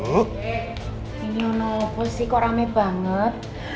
eh ini lu apa sih kok rame banget